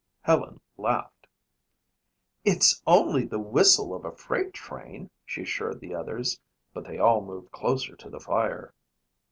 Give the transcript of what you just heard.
Helen laughed. "It's only the whistle of a freight train," she assured the others, but they all moved closer to the fire.